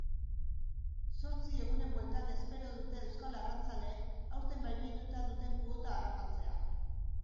Zortzi egunen bueltan espero dute euskal arrantzaleek aurten baimenduta duten kuota harrapatzea.